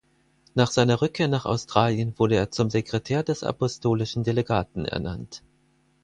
Nach seiner Rückkehr nach Australien wurde er zum Sekretär des Apostolischen Delegaten ernannt.